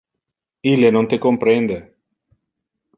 Ille non te comprende.